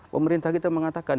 pemerintah kita mengatakan